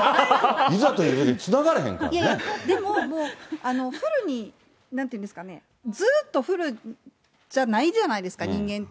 いざというとき、いえいえ、でも、もうフルに、なんていうんですかね、ずっとフルじゃないじゃないですか、人間って。